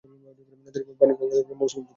নদীর পানিপ্রবাহ মৌসুমি প্রকৃতির।